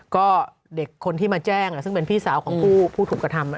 ก็เด็กคนที่มาแจ้งซึ่งเป็นพี่สาวของผู้ถูกกระทำ